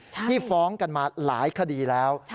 ที่ฟ้องกันมาหลายคดีแล้ว